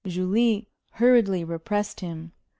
Julie hurriedly repressed him.